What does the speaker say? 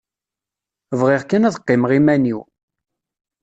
Bɣiɣ kan ad qqimeɣ iman-iw.